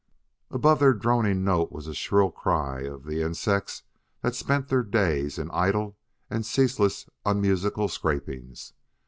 Above their droning note was the shrill cry of the insects that spent their days in idle and ceaseless unmusical scrapings.